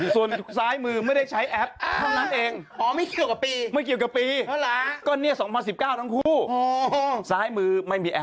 ส่วนซ้ายมือ